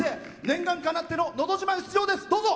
念願かなっての「のど自慢」出場です。